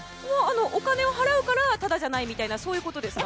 お金を払うからタダじゃないみたいなそういうことですか？